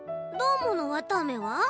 どーものわたあめは？